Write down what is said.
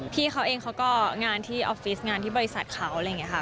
พี่เขาเองเขาก็งานที่ออฟฟิศงานที่บริษัทเขาอะไรอย่างนี้ค่ะ